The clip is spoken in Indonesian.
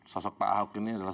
sosok pak ahok ini adalah